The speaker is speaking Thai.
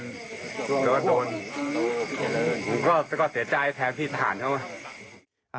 แล้วก็โดนแล้วก็เสียใจแทนพี่ทหารเขา